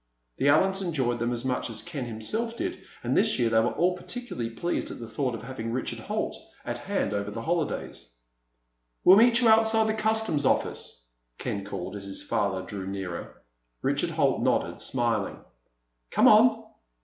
The Allens enjoyed them as much as Ken himself did, and this year they were all particularly pleased at the thought of having Richard Holt at hand over the holidays. "We'll meet you outside the customs office," Ken called, as his father drew nearer. Richard Holt nodded, smiling. "Come on!"